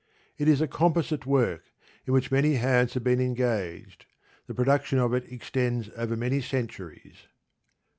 It is a composite work, in which many hands have been engaged. The production of it extends over many centuries.